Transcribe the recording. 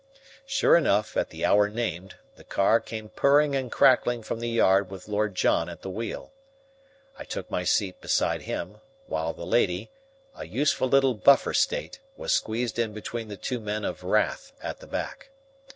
Sure enough, at the hour named, the car came purring and crackling from the yard with Lord John at the wheel. I took my seat beside him, while the lady, a useful little buffer state, was squeezed in between the two men of wrath at the back.